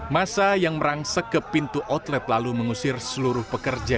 masa yang merangsek ke pintu outlet lalu mengusir seluruh pekerja